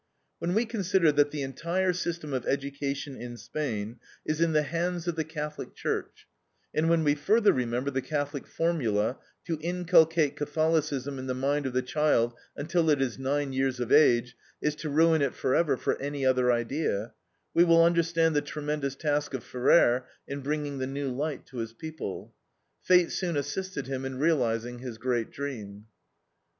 When we consider that the entire system of education in Spain is in the hands of the Catholic Church, and when we further remember the Catholic formula, "To inculcate Catholicism in the mind of the child until it is nine years of age is to ruin it forever for any other idea," we will understand the tremendous task of Ferrer in bringing the new light to his people. Fate soon assisted him in realizing his great dream.